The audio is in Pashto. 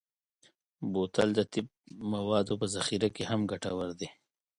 بوتل د طب موادو په ذخیره کې هم ګټور دی.